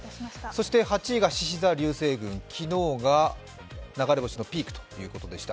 ８位がしし座流星群、昨日が流れ星のピークということでした。